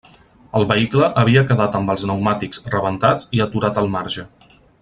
El vehicle havia quedat amb els pneumàtics rebentats i aturat al marge.